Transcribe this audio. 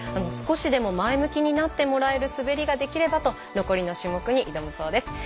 少しでも前向きになってもらえる滑りができればと残りの種目に挑むそうです。